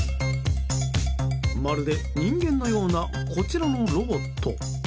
まるで、人間のようなこちらのロボット。